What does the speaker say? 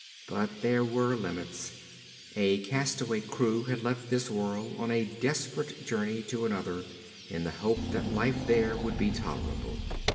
But there were limits. A castaway crew had left this world on a desperate journey to another in the hope that life there would be tolerable.